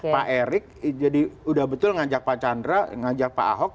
pak erick jadi udah betul ngajak pak chandra ngajak pak ahok